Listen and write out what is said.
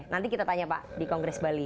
nanti kita tanya pak di kongres bali